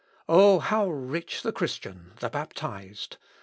Oh, how rich the Christian, the baptized!